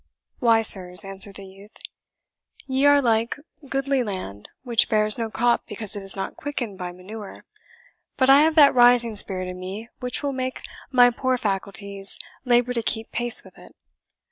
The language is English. "Why, sirs," answered the youth, "ye are like goodly land, which bears no crop because it is not quickened by manure; but I have that rising spirit in me which will make my poor faculties labour to keep pace with it.